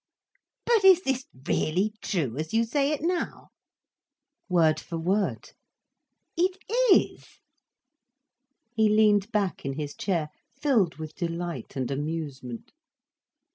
"But is this really true, as you say it now?" "Word for word." "It is?" He leaned back in his chair, filled with delight and amusement.